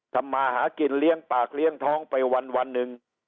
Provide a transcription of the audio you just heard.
ทำมาหากินเลี้ยงปากเลี้ยงท้องไปวันหนึ่ง